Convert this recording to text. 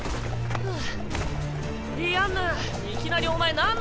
はあ！